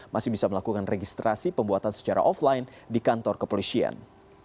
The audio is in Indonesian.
masih bisa melakukan registrasi pembuatan secara offline di kantor kepolisian